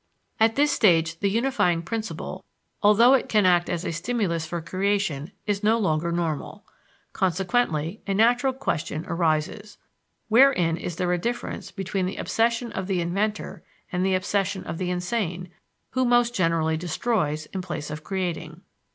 At this stage the unifying principle, although it can act as a stimulus for creation, is no longer normal. Consequently, a natural question arises: Wherein is there a difference between the obsession of the inventor and the obsession of the insane, who most generally destroys in place of creating?